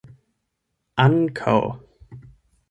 ankaŭ